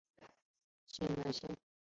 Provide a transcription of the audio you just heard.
清南线